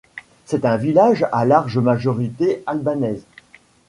C'est un village à large majorité albanaise.